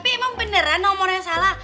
emang beneran nomornya salah